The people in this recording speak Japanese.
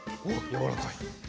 おっやわらかい。